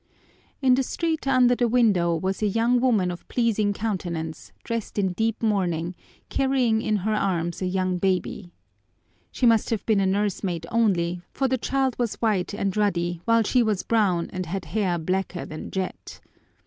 In the street under the window was a young woman of pleasing countenance, dressed in deep mourning, carrying in her arms a young baby. She must have been a nursemaid only, for the child was white and ruddy while she was brown and had hair blacker than jet.